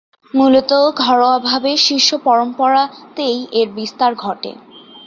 মূলত ঘরোয়াভাবে শিষ্য পরম্পরাতেই এর বিস্তার ঘটে।